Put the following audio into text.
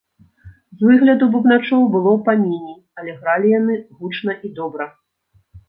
З выгляду бубначоў было паменей, але гралі яны гучна і добра.